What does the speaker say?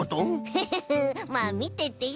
フフフまあみててよ！